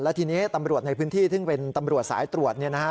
และทีนี้ตำรวจในพื้นที่ซึ่งเป็นตำรวจสายตรวจ